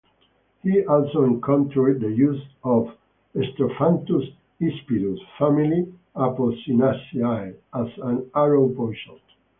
He also encountered the use of "Strophanthus hispidus" (family Apocynaceae) as an arrow poison.